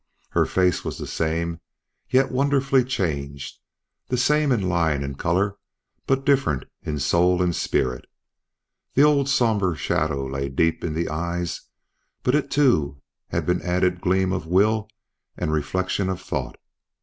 Her face was the same, yet wonderfully changed; the same in line and color, but different in soul and spirit. The old sombre shadow lay deep in the eyes, but to it had been added gleam of will and reflection of thought.